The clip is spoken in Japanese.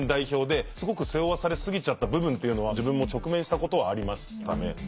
すごく背負わされすぎちゃった部分っていうのは自分も直面したことはありましたね。